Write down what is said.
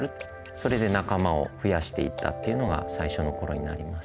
それで仲間を増やしていったっていうのが最初のころになります。